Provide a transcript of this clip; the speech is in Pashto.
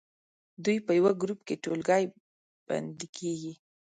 دوی په یوه ګروپ کې ټولګی بندي کیږي.